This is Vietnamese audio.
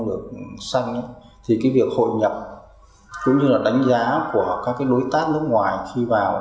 năng lượng xanh thì cái việc hội nhập cũng như là đánh giá của các đối tác nước ngoài khi vào